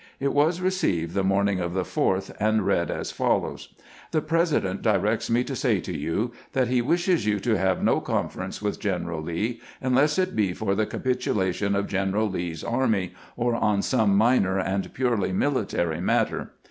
It was received the morning of the 4th, and read as follows :" The President directs me to say to you that he wishes you to have no conference with General Lee, unless it be for the capit ulation of General Lee's army, or on some minor and purely military matter.